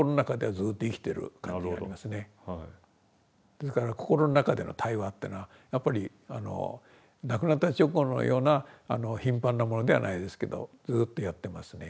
ですから心の中での対話っていうのはやっぱり亡くなった直後のような頻繁なものではないですけどずっとやってますね。